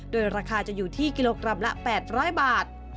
โดยราคาจะอยู่ที่กิโลกรัมละ๘๐๐บาท